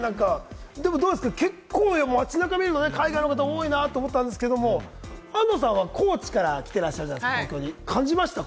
でも、結構、街中見ると、海外の方多いなと思ったんですけど、安藤さんは高知から来ていらっしゃるじゃないですか、東京に。感じましたか？